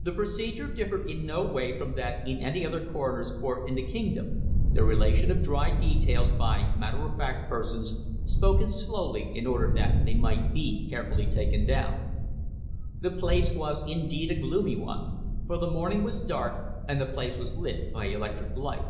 The procedure differed in no way from that in any other coroner's court in the kingdom, the relation of dry details by matter of fact persons spoken slowly in order that they might be carefully taken down. The scene was, indeed, a gloomy one, for the morning was dark, and the place was lit by electric light.